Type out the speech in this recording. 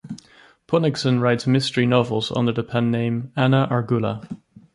Ponicsan writes mystery novels under the pen name Anne Argula.